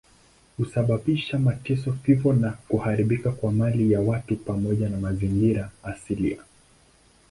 Husababisha mateso, vifo na kuharibika kwa mali ya watu pamoja na mazingira asilia.